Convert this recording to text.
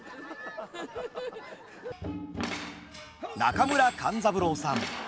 中村勘三郎さん。